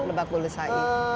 tidak terlalu besar